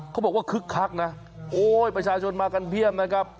เขาบอกว่าคึกคักนะโหประชาชนมากันเบี้ยมนะครับ